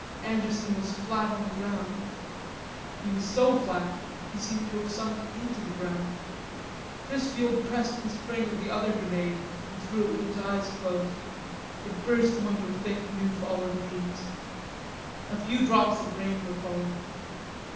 Anderson was flat on the ground. He was so flat he seemed to have sunk into the ground. Chrisfield pressed the spring of the other grenade and threw it with his eyes closed. It burst among the thick new fallen leaves. A few drops of rain were falling.